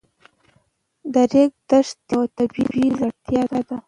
د ریګ دښتې یوه طبیعي ځانګړتیا ده.